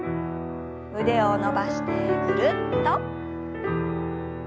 腕を伸ばしてぐるっと。